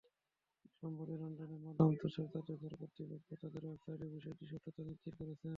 সম্প্রতি লন্ডনের Madame Tussaud জাদুঘর কর্তৃপক্ষ তাঁদের ওয়েবসাইটে বিষয়টির সত্যতা নিশ্চিত করেছে।